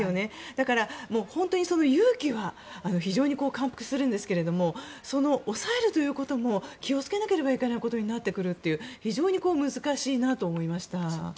だから本当に勇気は非常に感服するんですがその押さえるということも気をつけないといけないということになってくる非常に難しいなと思いました。